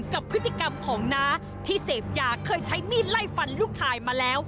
กับพฤติกรรมของน้าที่เสพยาเคยใช้มีดไล่ฟันลูกชายมาแล้ว